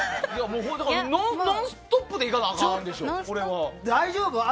ノンストップでいかなあかんでしょ。